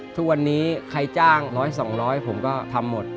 ทุกวันนี้ใครจ้างร้อยสองร้อยผมก็ทำหมด